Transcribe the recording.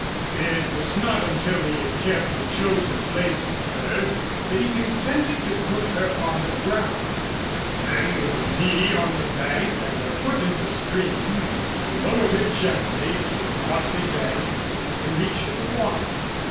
It was not until he had carefully chosen a place for her that he consented to put her on the ground. Then with a knee on the bank and a foot in the stream, he lowered her gently to a mossy bank within reach of the water.